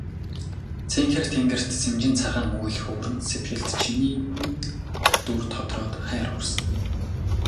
Цэнхэр тэнгэрт сэмжин цагаан үүл хөврөн сэтгэлд чиний минь дүр тодроод хайр урсана.